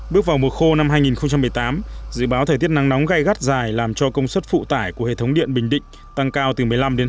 bước vào mùa khô năm hai nghìn một mươi tám dự báo thời tiết nắng nóng gai gắt dài làm cho công suất phụ tải của hệ thống điện bình định tăng cao từ một mươi năm ba mươi